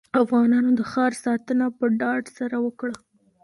افغانانو د ښار ساتنه په ډاډ سره وکړه.